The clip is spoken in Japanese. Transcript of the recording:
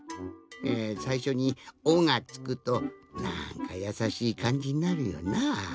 えさいしょに「お」がつくとなんかやさしいかんじになるよな。